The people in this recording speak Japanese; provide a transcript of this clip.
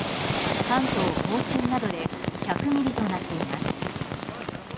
関東・甲信などで１００ミリとなっています。